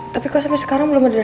tapi kok sampai sekarang belum ada